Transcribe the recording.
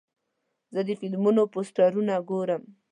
زه د فلمونو پوسټرونه ګورم.